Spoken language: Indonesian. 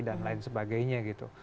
dan lain sebagainya